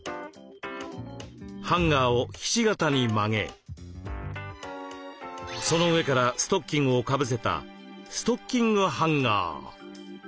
ハンガーをひし形に曲げその上からストッキングをかぶせたストッキングハンガー。